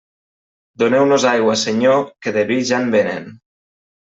Doneu-nos aigua, Senyor, que de vi ja en venen.